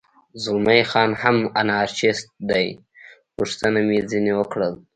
زلمی خان هم انارشیست دی، پوښتنه مې ځنې وکړل.